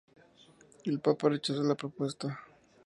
El Papa rechazó la propuesta.